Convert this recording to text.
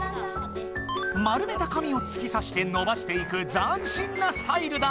丸めた紙をつきさしてのばしていくざん新なスタイルだ！